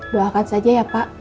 doakan saja ya pak